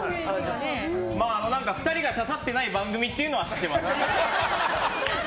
２人が刺さってない番組っていうのは知ってます。